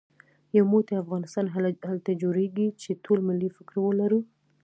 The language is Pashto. يو موټی افغانستان هله جوړېږي چې ټول ملي فکر ولرو